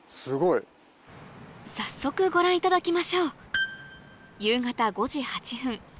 早速ご覧いただきましょう夕方５時８分